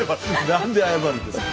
何で謝るんですか。